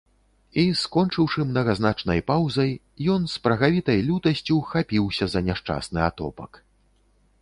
І, скончыўшы мнагазначнай паўзай, ён з прагавітай лютасцю хапіўся за няшчасны атопак.